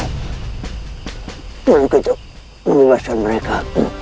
ketuk ketuk membebaskan mereka